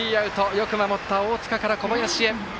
よく守った大塚から小林へ。